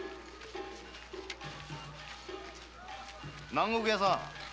南国屋さん。